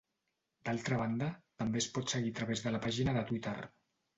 D'altra banda, també es pot seguir a través de la pàgina de Twitter.